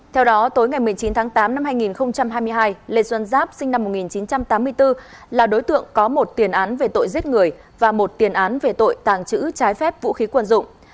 theo đó tối ngày một mươi chín tháng tám năm hai nghìn hai mươi hai lê xuân giáp sinh năm một nghìn chín trăm tám mươi bốn là đối tượng có một tiền án về tội giết người và một tiền án về tội tàng trữ trái phép vũ khí quân dụng